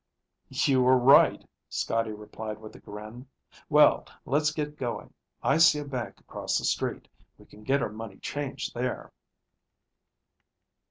"You were right," Scotty replied with a grin. "Well, let's get going. I see a bank across the street. We can get our money changed there."